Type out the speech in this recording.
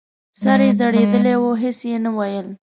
سر یې ځړېدلی و هېڅ یې نه ویل !